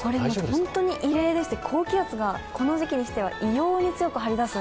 本当に異例でして高気圧がこの時期にしては異様に強く張り出す